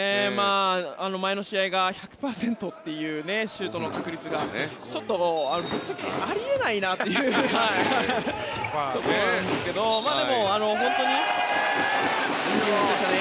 前の試合が１００％というシュートの確率がちょっとぶっちゃけあり得ないなっていうところはあるんですけどでも、本当に。